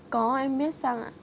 có em biết xăng ạ